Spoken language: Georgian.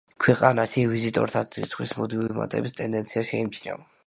ქვეყანაში ვიზიტორთა რიცხვის მუდმივი მატების ტენდენცია შეიმჩნევა.